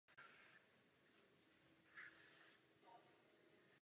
Co do počtu zbraní se tvrz řadila k největším.